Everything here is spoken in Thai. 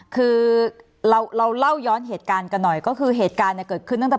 คือเราเราเล่าย้อนเหตุการณ์กันหน่อยก็คือเหตุการณ์เนี่ยเกิดขึ้นตั้งแต่